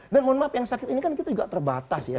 dan mohon maaf yang sakit ini kan kita juga terbatas ya